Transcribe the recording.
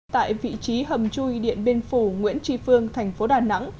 tại vị trí hầm chui điện biên phủ nguyễn tri phương thành phố đà nẵng